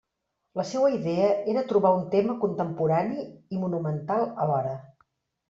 La seua idea era trobar un tema contemporani i monumental alhora.